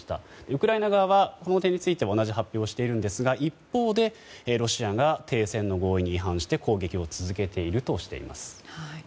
ウクライナ側はこの点については同じ発表をしているんですが一方でロシアが停戦の合意に違反して攻撃を続けているとしています。